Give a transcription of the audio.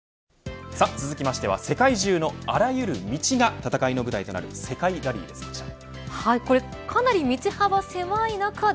続きましては世界中のあらゆる道が戦いの舞台となるかなり道幅が狭い中で